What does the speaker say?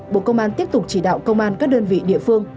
bộ công an tiếp tục chỉ đạo công an các đơn vị địa phương